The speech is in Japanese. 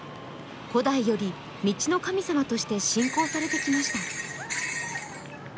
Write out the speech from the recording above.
古代より道の神様として信仰されてきました。